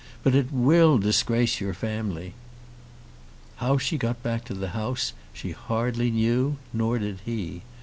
But it will disgrace your family." How she got back to the house she hardly knew; nor did he.